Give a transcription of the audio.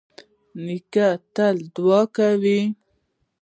نیکه تل دعا کوي.